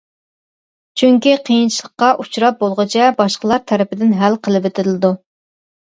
چۈنكى قىيىنچىلىققا ئۇچراپ بولغۇچە باشقىلار تەرىپىدىن ھەل قىلىۋېتىلىدۇ.